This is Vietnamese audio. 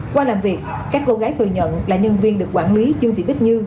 qua làm việc các cô gái thừa nhận là nhân viên được quản lý dương vị bích như